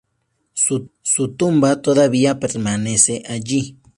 Su tumba todavía permanece allí.